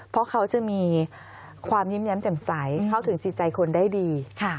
เพราะเขาจะมีความยิ้มแย้มแจ่มใสเข้าถึงจิตใจคนได้ดี